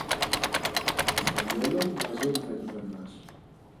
Στο μέλλον, μαζί μου θα κυβερνάς.